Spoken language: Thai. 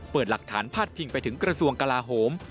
เปิดหลักฐานพาดพิงไปถึงกระทรวงกลาโหม